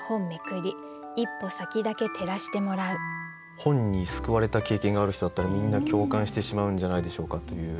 本に救われた経験がある人だったらみんな共感してしまうんじゃないでしょうかという。